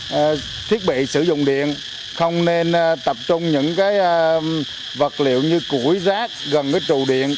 các thiết bị sử dụng điện không nên tập trung những vật liệu như củi rác gần cái trụ điện